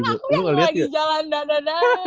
emang kan aku yang lagi jalan dadah dahan